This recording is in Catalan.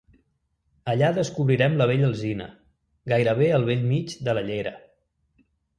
Allà descobrirem la vella alzina, gairebé al bell mig de la llera.